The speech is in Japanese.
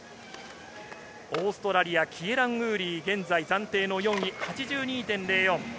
オーストラリア、キエラン・ウーリー、現在暫定の４位、８２．０４。